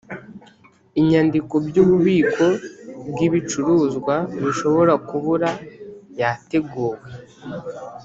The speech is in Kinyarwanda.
inyandiko by’ububiko bw’ibicuruzwa bishobora kubura yateguwe